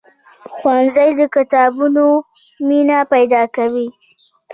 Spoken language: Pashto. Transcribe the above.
ښوونځی د کتابونو مینه پیدا کوي